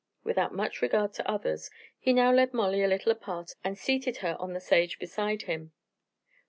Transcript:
Without much regard to others, he now led Molly a little apart and seated her on the sage beside him.